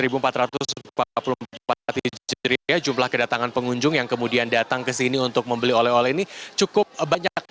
berarti jumlah kedatangan pengunjung yang kemudian datang ke sini untuk membeli oleh oleh ini cukup banyak